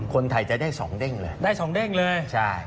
คนไทยจะได้๒เด้งเลย